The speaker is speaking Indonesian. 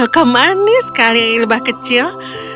kau manis sekali lebah kecil